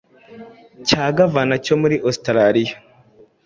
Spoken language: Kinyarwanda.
cya Garvan cyo muri Australia,